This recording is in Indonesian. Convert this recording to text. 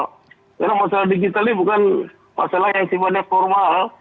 karena masalah digital ini bukan masalah yang simpan formal